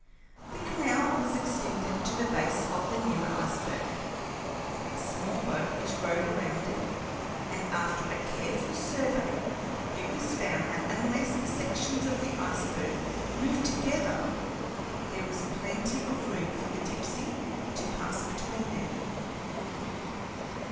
The canal was extended to the base of the nearer iceberg, a small boat was rowed around it, and after a careful survey it was found that unless the sections of the iceberg moved together there was plenty of room for the Dipsey to pass between them.